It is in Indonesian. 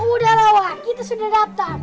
udah lah mbak kita sudah daftar